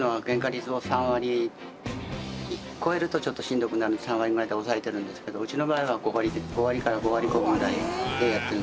超えるとちょっとしんどくなるので３割までで抑えてるんですけどうちの場合は５割から５割５分ぐらいでやってるんですね。